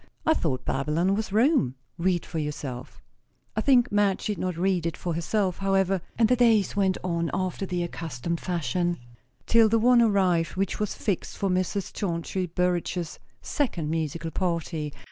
"I thought Babylon was Rome." "Read for yourself." I think Madge did not read it for herself, however; and the days went on after the accustomed fashion, till the one arrived which was fixed for Mrs. Chauncey Burrage's second musical party.